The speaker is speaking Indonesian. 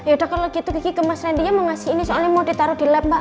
yaudah kalau gitu gigi kemas rendinya mau ngasih ini soalnya mau ditaruh di lem mbak